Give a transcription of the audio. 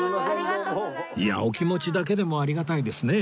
いやお気持ちだけでもありがたいですね